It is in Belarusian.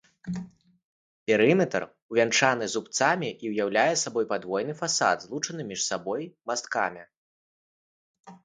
Перыметр увянчаны зубцамі і ўяўляе сабой падвойны фасад, злучаны паміж сабой масткамі.